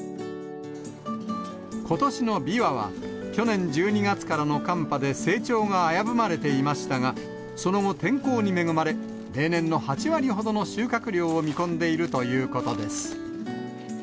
ことしのビワは、去年１２月からの寒波で成長が危ぶまれていましたが、その後、天候に恵まれ、例年の８割ほどの収穫量を見込んでいるということです。